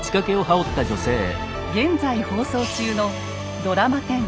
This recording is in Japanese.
現在放送中のドラマ１０